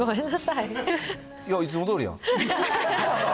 いや、いつもどおりやん。